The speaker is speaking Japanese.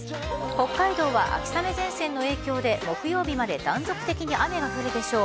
北海道は秋雨前線の影響で木曜日まで断続的に雨が降るでしょう。